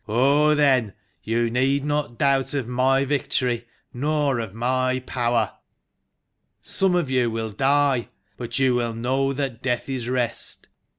" On, then ! You need not doubt of my victory, nor of my power. Some of you will die, but you know that death is rest.